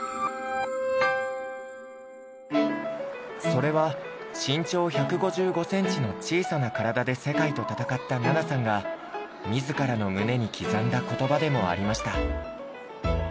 それは身長１５５センチの小さな体で世界と戦った菜那さんが自らの胸に刻んだ言葉でもありました。